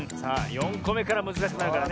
４こめからむずかしくなるからね。